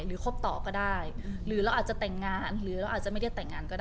คบต่อก็ได้หรือเราอาจจะแต่งงานหรือเราอาจจะไม่ได้แต่งงานก็ได้